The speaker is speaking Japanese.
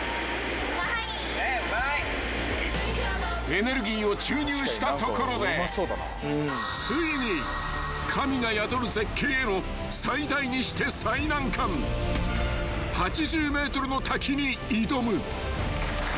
［エネルギーを注入したところでついに神が宿る絶景への最大にして最難関８０ｍの滝に挑む］